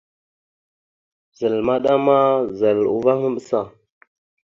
Zal maɗa ma, zal uvah maɓəsa.